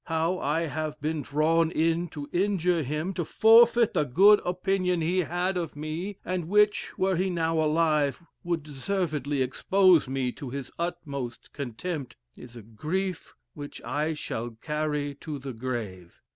How I have been drawn in to injure him, to forfeit the good opinion he had of me, and which, were he now alive, would deservedly expose me to his utmost contempt, is a grief which I shall carry to the grave.